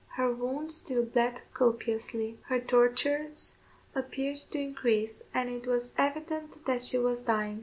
Her wound still bled copiously; her tortures appeared to increase, and it was evident that she was dying.